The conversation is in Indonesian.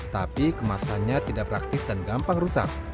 tapi kemasannya tidak praktis dan gampang rusak